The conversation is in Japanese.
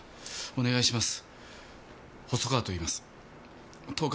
お願いします。